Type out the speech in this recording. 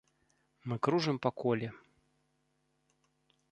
Мы кружым па коле.